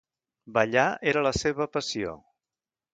Ballar era la seva passió.